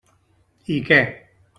I què?